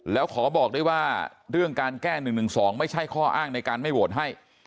แล้วขอบอกด้วยว่าเรื่องการแก้๑๑๒ไม่ใช่ข้ออ้างในการไม่โหวตให้